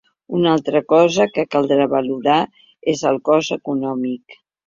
Una altra cosa que caldrà valorar és el cost econòmic.